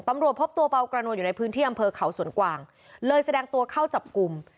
พบตัวเบากระนวลอยู่ในพื้นที่อำเภอเขาสวนกวางเลยแสดงตัวเข้าจับกลุ่ม